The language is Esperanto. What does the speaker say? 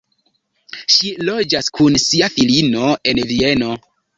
Ŝi loĝas kun sia filino en Vieno.